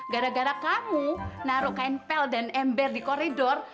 gara gara kamu naruh kain pel dan ember di koridor